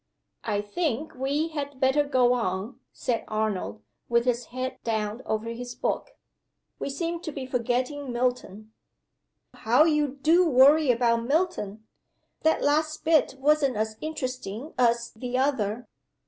"I think we had better go on," said Arnold, with his head down over his book. "We seem to be forgetting Milton." "How you do worry about Milton! That last bit wasn't as interesting as the other.